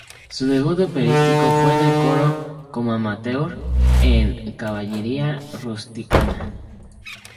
Su debut operístico fue en el coro, como amateur, en "Cavalleria rusticana".